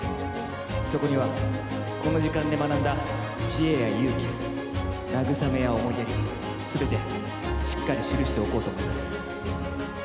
そこにはこの時間で学んだ知恵や勇気、慰めや思いやりすべてしっかり記しておこうと思います。